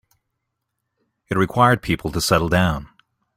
It required people to settle down.